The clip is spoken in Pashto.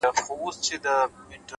صادق زړه پټ ویره نه ساتي,